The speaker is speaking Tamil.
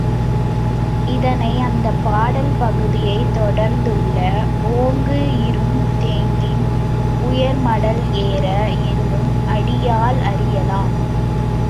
இதனை, அந்தப் பாடல் பகுதியைத் தொடர்ந்துள்ள ஓங்கு இரும் தெங்கின் உயர்மடல் ஏற என்னும் அடியால் அறியலாம்.